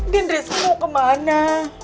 dendris mau kemana